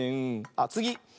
あっつぎ。